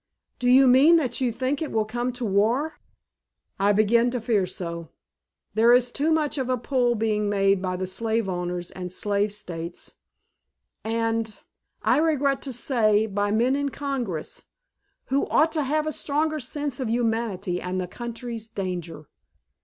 "Do you mean that you think it will come to war?" "I begin to fear so. There is too much of a pull being made by the slave owners and slave States,—and, I regret to say, by men in Congress, who ought to have a stronger sense of humanity and the country's danger."